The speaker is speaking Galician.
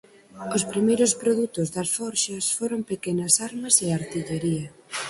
Os primeiros produtos das forxas foron pequenas armas e artillería.